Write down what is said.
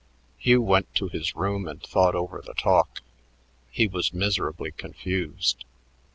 Hugh went to his room and thought over the talk. He was miserably confused.